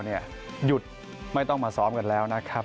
หยุดไม่ต้องมาซ้อมกันแล้วนะครับ